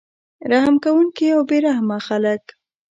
رحم کوونکي او بې رحمه خلک